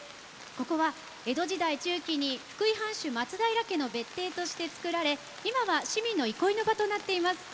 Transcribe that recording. ここは江戸時代中期に福井藩主松平家の別邸として造られ今は市民の憩いの場となっています。